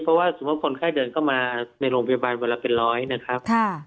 เพราะว่าสมมุติคนไข้เดินเข้ามาในโรงพยาบาลวันละเป็นร้อยนะครับ